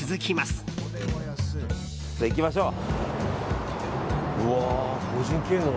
行きましょう。